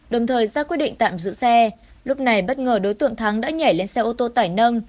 đồng thời ra quyết định tạm giữ xe lúc này bất ngờ đối tượng thắng đã nhảy lên xe ô tô tải nâng